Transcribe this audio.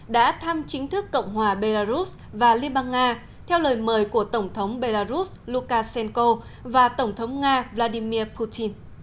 đã thăm chính thức cộng hòa belarus và liên bang nga theo lời mời của tổng thống belarus lukashenko và tổng thống nga vladimir putin